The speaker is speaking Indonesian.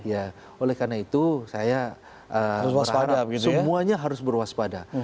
ya oleh karena itu saya berharap semuanya harus berwaspada